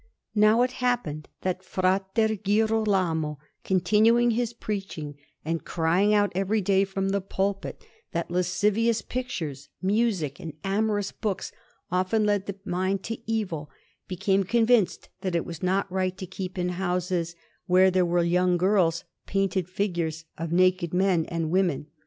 Now it happened that Fra Girolamo, continuing his preaching, and crying out every day from the pulpit that lascivious pictures, music, and amorous books often lead the mind to evil, became convinced that it was not right to keep in houses where there were young girls painted figures of naked men and women.